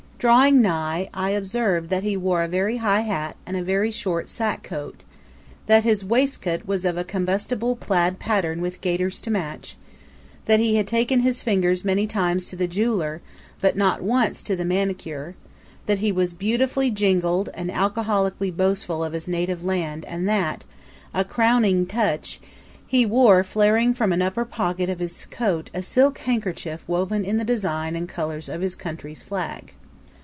Drawing nigh, I observed that he wore a very high hat and a very short sack coat; that his waistcoat was of a combustible plaid pattern with gaiters to match; that he had taken his fingers many times to the jeweler, but not once to the manicure; that he was beautifully jingled and alcoholically boastful of his native land and that a crowning touch he wore flaring from an upper pocket of his coat a silk handkerchief woven in the design and colors of his country's flag.